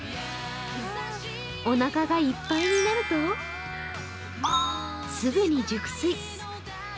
おなかがいっぱいになるとすぐに熟睡。